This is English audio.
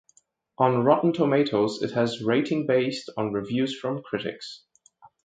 On Rotten Tomatoes it has rating based on reviews from critics.